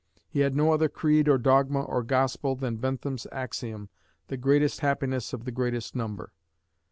He had no other creed or dogma or gospel than Bentham's axiom, "The greatest happiness of the greatest number."